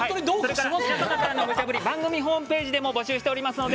皆さんからのムチャぶり番組ホームページでも募集しています。